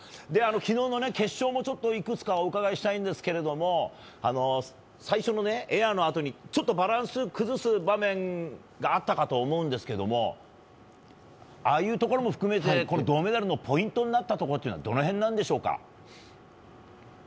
昨日の決勝もいくつかお伺いしたいんですが最初のエアのあとにちょっとバランスを崩す場面があったかと思うんですけどもああいうところも含めて銅メダルのポイントになったところはどの辺なんでしょうか？